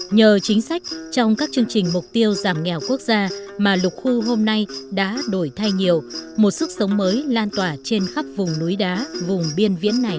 nhờ chính sách trong các chương trình mục tiêu giảm nghèo quốc gia mà lục khu hôm nay đã đổi thay nhiều một sức sống mới lan tỏa trên khắp vùng núi đá vùng biên viễn này